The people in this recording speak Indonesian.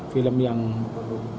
film yang berbeda